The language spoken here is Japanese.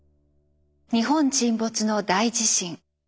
「日本沈没」の大地震。